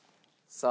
さあ。